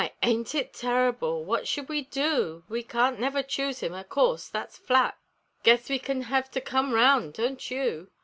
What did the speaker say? ain't it terrible? Wut shall we du? We can't never choose him o' course thet's flat; Guess we shall hev to come round (don't you?)